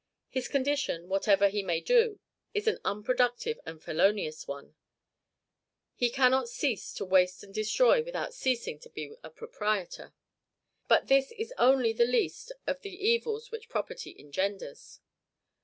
His condition, whatever he may do, is an unproductive and FELONIOUS one; he cannot cease to waste and destroy without ceasing to be a proprietor. But this is only the least of the evils which property engenders.